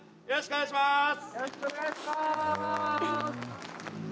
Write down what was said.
よろしくお願いします。